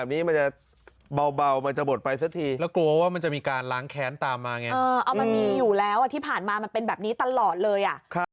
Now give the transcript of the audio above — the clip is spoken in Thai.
ก็คือแค่ทางโรงเรียนกันนะครับต่างสถาบันก็ออกกันแล้วครับก็แค่ทางย